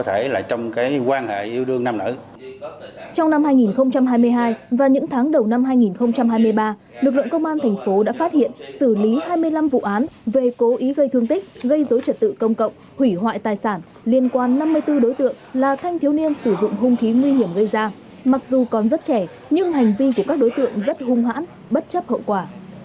trong năm hai nghìn hai mươi hai và những tháng đầu năm hai nghìn hai mươi ba lực lượng công an thành phố đã phát hiện xử lý hai mươi năm vụ án về cố ý gây thương tích gây dối trật tự công cộng hủy hoại tài sản liên quan năm mươi bốn đối tượng là thanh thiếu niên sử dụng hương khí nguy hiểm gây ra mặc dù còn rất trẻ nhưng hành vi của các đối tượng rất hung hãn bất chấp hậu quả